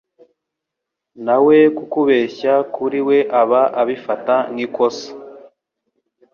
na we kukubeshya kuri we aba abifata nk'ikosa